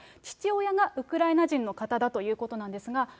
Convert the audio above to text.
父親がウクライナ人の方だということなんですが。